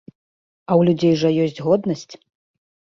А ў людзей жа ёсць годнасць.